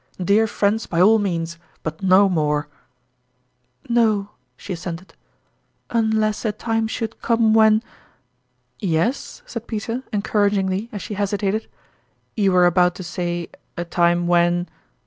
Dear friends, by all means ; but no more !"" No," she assented ;" unless a time should come when " "Yes," said Peter, encouragingly, as she hesitated. " You were about to say, a time when?"